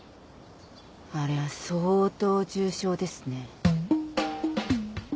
あれは相当重症ですね。